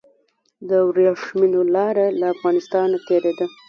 د وریښمو لاره له افغانستان تیریده